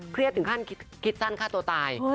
ถึงขั้นคิดสั้นฆ่าตัวตาย